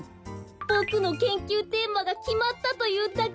ボクの研究テーマがきまったというだけです。